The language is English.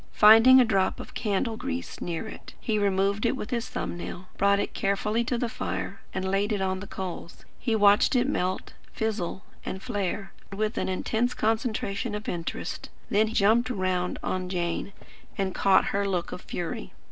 Finding a drop of candle grease near it, he removed it with his thumb nail; brought it carefully to the fire, and laid it on the coals. He watched it melt, fizzle, and flare, with an intense concentration of interest; then jumped round on Jane, and caught her look of fury.